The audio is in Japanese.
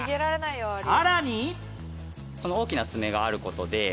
さらに